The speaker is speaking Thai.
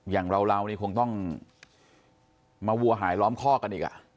อย่างเรานี่คงต้องมาวัวหายล้อมคอกันอีก